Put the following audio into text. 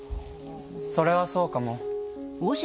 それはそうかも。